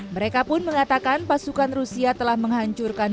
mereka pun mengatakan pasukan rusia telah menghancurkan